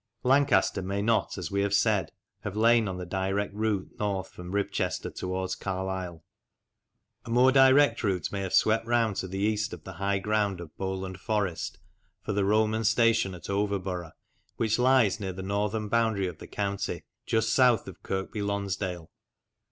Lancaster may not, as we have said, have lain on the direct route north from Ribchester towards Carlisle. A more direct route may have swept round to the east of the high ground of Bowland Forest for the Roman station at Overborough, which lies near the northern boundary of the county just south of Kirkby Lonsdale.